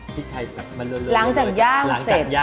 พริกไทยสักมาโรยหลังจากย่างเสร็จ